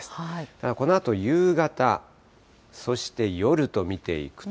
ただこのあと夕方、そして夜と見ていくと。